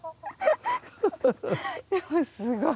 でもすごい。